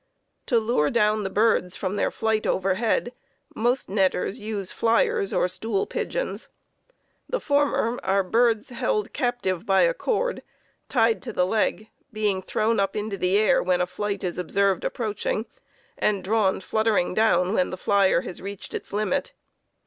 To lure down the birds from their flight overhead, most netters use "fliers" or "stool pigeons." The former are birds held captive by a cord, tied to the leg, being thrown up into the air when a flight is observed approaching, and drawn fluttering down when the "flier" has reached its limit.